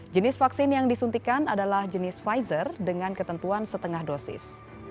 jenis vaksin yang disuntikan adalah jenis pfizer dengan ketentuan setengah dosis